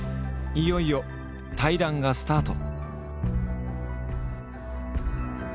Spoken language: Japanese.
いよいよ対談がスタート！